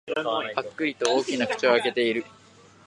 ぱっくりと大きな口を開けている。